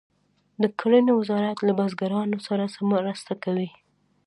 د کرنې وزارت له بزګرانو سره څه مرسته کوي؟